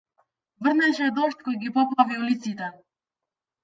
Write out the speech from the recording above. Врнеше дожд кој ги поплави улиците.